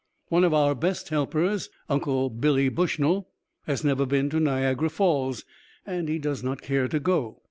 One of our best helpers, Uncle Billy Bushnell, has never been to Niagara Falls, and does not care to go.